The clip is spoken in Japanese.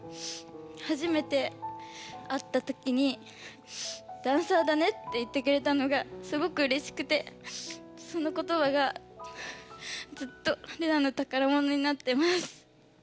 はじめてあったときに「ダンサーだね」って言ってくれたのがすごくうれしくてその言葉がずっとレナのたからものになってます。